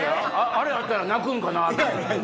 あれあったら泣くんかな？と思って。